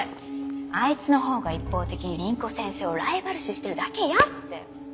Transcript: あいつのほうが一方的に凛子先生をライバル視してるだけやって。